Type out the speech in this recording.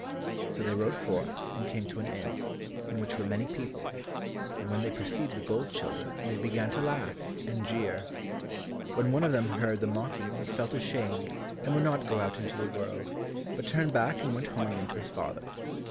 So they rode forth and came to an inn, in which were many people, and when they perceived the gold children they began to laugh, and jeer. When one of them heard the mocking he felt ashamed and would not go out into the world, but turned back and went home again to his father.